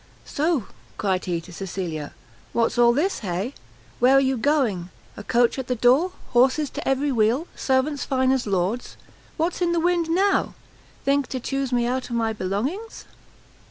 "So," cried he to Cecilia, "what's all this? hay? where are you going? a coach at the door! horses to every wheel! Servants fine as lords! what's in the wind now? think to chouse me out of my belongings?"